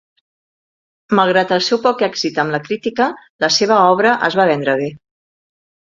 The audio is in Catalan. Malgrat el seu poc èxit amb la crítica, la seva obra es va vendre bé.